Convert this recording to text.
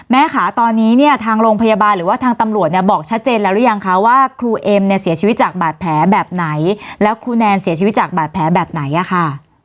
แม่ค่ะตอนนี้เนี่ยทางโรงพยาบาลหรือว่าทางตำรวจเนี่ยบอกชัดเจนแล้วหรือยังคะว่าครูเอ็มเนี่ยเสียชีวิตจากบาดแผลแบบไหนแล้วครูแนนเสียชีวิตจากบาดแผลแบบไหนอะค่ะ